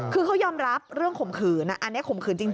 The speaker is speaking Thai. คือเขายอมรับเรื่องข่มขืนอันนี้ข่มขืนจริง